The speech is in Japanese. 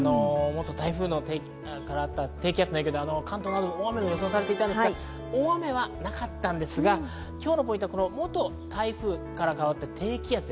元台風の低気圧の影響で大雨が予想されていたんですけれども、大雨はなかったんですが、今日のポイントは元台風から変わった低気圧。